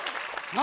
何？